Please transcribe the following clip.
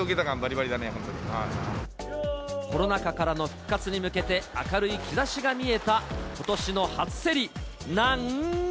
コロナ禍からの復活に向けて、明るい兆しが見えたことしの初競りなん。